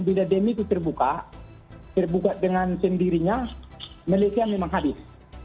bila demi itu terbuka terbuka dengan sendirinya militian memang habis